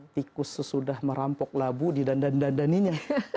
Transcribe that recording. tikus sesudah merampok labu didandani dandani nya